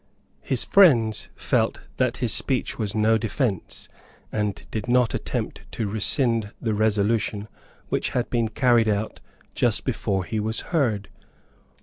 His friends felt that his speech was no defence, and did not attempt to rescind the resolution which had been carried just before he was heard.